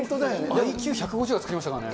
ＩＱ１５４が作りましたからね。